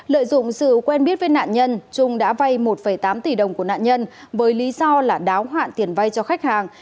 lợi dụng sự quen biết với nạn nhân trung đã vay một tám tỷ đồng của nạn nhân với lý do là đáo hạn tiền vay cho khách hàng